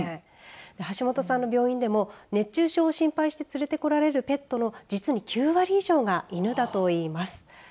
橋本さんの病院でも熱中症を心配して連れてこられるペットの実に９割以上が犬だといいます。